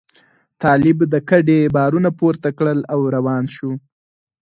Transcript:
طالب د کډې بارونه پورته کړل او روان شو.